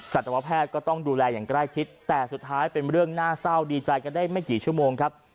สัตวแพทย์ก็ต้องดูแลอย่างใกล้ชิดแต่สุดท้ายเป็นเรื่องน่าเศร้าดีใจกันได้ไม่กี่ชั่วโมงครับ